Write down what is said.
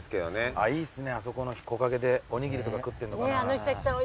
いいっすねあそこの木陰でおにぎりとか食って。